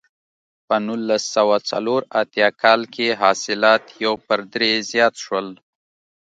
په نولس سوه څلور اتیا کال کې حاصلات یو پر درې زیات شول.